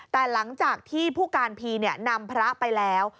แต่หลังจากที่ผู้การพีนำพระไปแล้ว